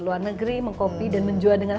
luar negeri mengkopi dan menjual dengan